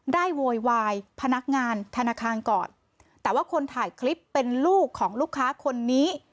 โวยวายพนักงานธนาคารก่อนแต่ว่าคนถ่ายคลิปเป็นลูกของลูกค้าคนนี้